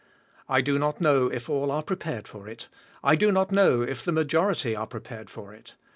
I do not know if all are prepared for it, I do not know if the majority are prepared for it.